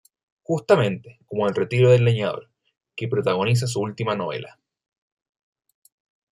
Justamente, como el retiro del leñador" que protagoniza su última novela.